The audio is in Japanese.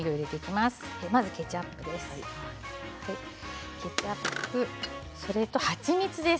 まずはケチャップです。